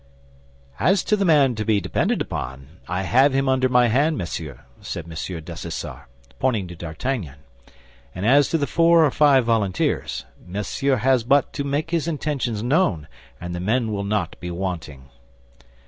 "As to the man to be depended upon, I have him under my hand, monsieur," said M. Dessessart, pointing to D'Artagnan; "and as to the four or five volunteers, Monsieur has but to make his intentions known, and the men will not be wanting."